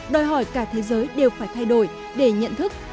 đòi hỏi cả thế giới đều phải thay đổi để nhận thức